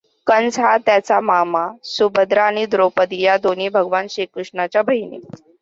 कंस हा त्याचा मामा. सुभद्रा आणि द्रौपदी या दोन्ही भगवान श्रीकृष्णाच्या बहिणी.